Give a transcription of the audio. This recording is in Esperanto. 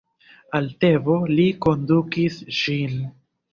Al Tebo li kondukis ŝin.